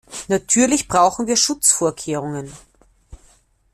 Natürlich brauchen wir Schutzvorkehrungen.